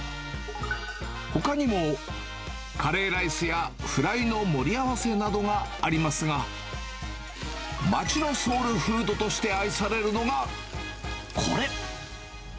ほかにも、カレーライスやフライの盛り合わせなどがありますが、町のソウルフードとして愛されるのがこれ。